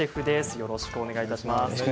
よろしくお願いします。